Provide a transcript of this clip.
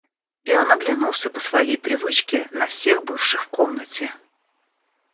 И он оглянулся по своей привычке на всех бывших в комнате.